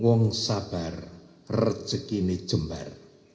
dan sabar rezeki ini jembat